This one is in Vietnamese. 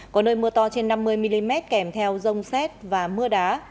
có nơi mưa to trên năm mươi mm kèm theo rông xét và mưa đá